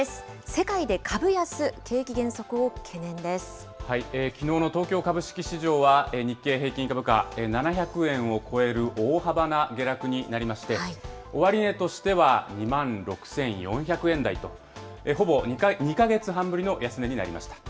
世界で株安、きのうの東京株式市場は、日経平均株価、７００円を超える大幅な下落になりまして、終値としては２万６４００円台と、ほぼ２か月半ぶりの安値になりました。